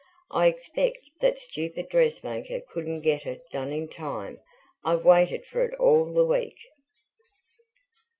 "I expect that stupid dressmaker couldn't get it done in time. I've waited for it all the week."